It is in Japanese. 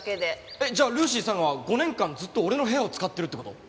えっじゃあルーシーさんは５年間ずっと俺の部屋を使ってるって事？